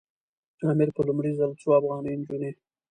امیر په لومړي ځل څو افغاني نجونې.